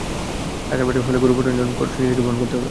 ঢাকার বাইরে হলে গরু পাঠানোর জন্য খরচ নিজেকেই বহন করতে হবে।